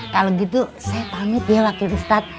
kalau gitu saya pamit ya laki laki ustadz